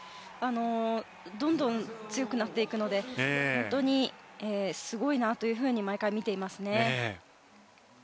どんどん強くなっていくので本当にすごいなというふうに毎回見ていますね。